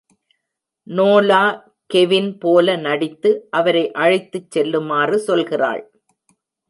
நோலா Kevin போல நடித்து, அவரை அழைத்துச் செல்லுமாறு சொல்கிறாள்.